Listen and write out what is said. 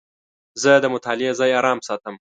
زه د مطالعې ځای آرام ساتم.